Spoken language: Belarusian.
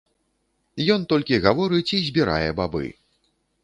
Ён толькі гаворыць і збірае бабы.